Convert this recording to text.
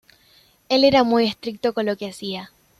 Él era muy estricto con lo que hacia.